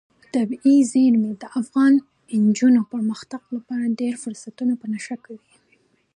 طبیعي زیرمې د افغان نجونو د پرمختګ لپاره ډېر ښه فرصتونه په نښه کوي.